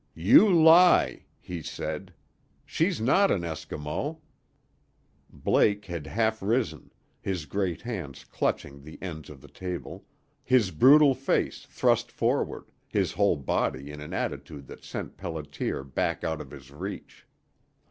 "You lie!" he said. "She's not an Eskimo!" Blake had half risen, his great hands clutching the ends of the table, his brutal face thrust forward, his whole body in an attitude that sent Pelliter back out of his reach.